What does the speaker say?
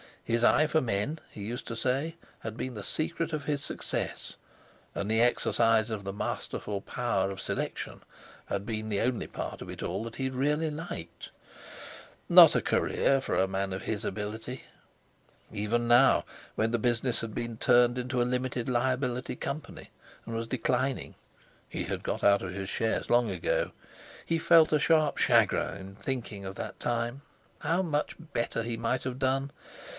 His eye for men, he used to say, had been the secret of his success, and the exercise of this masterful power of selection had been the only part of it all that he had really liked. Not a career for a man of his ability. Even now, when the business had been turned into a Limited Liability Company, and was declining (he had got out of his shares long ago), he felt a sharp chagrin in thinking of that time. How much better he might have done!